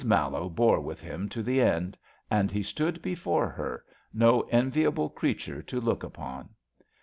Mallowe bore with him to the end, and he stood before her — no enviable creature to look upon.